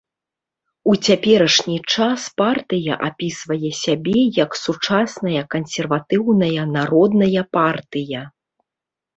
У цяперашні час партыя апісвае сябе як сучасная кансерватыўная народная партыя.